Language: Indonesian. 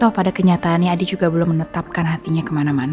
oh pada kenyataannya adi juga belum menetapkan hatinya kemana mana